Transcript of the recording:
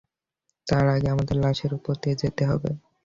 তার আগে আমাদের লাশের উপর দিয়ে যেতে হবে।